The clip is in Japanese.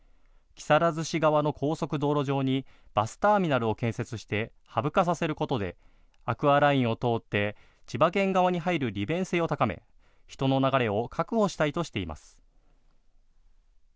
木更津市側の高速道路上にバスターミナルを建設してハブ化させることでアクアラインを通って千葉県側に入る利便性を高め人の流れを確保したいとしています。